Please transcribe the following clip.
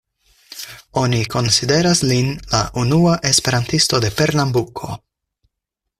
Oni konsideras lin la unua esperantisto de Pernambuko.